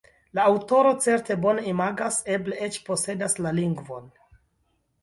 La aŭtoro certe bone imagas, eble eĉ posedas la lingvon.